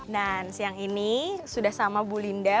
dan siang ini sudah sama bu linda